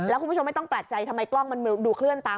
แล้วคุณผู้ชมไม่ต้องแปลกใจทำไมกล้องมันดูเคลื่อนตาม